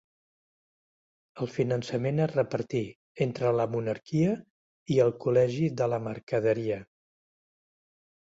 El finançament es repartí entre la monarquia i el Col·legi de la Mercaderia.